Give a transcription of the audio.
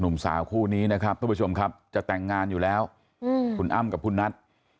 หนุ่มสาวคู่นี้นะครับทุกผู้ชมครับจะแต่งงานอยู่แล้วคุณอ้ำกับคุณนัท